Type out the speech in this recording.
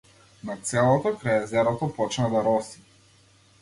Над селото крај езерото почна да роси.